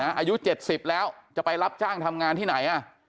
อายุ๗๐แล้วจะไปรับจ้างทำงานที่ไหน